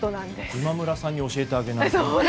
今村さんに教えてあげないと。